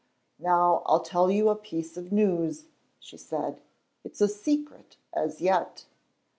"Now I'll tell you a piece of news," she said; "it's a secret as yet."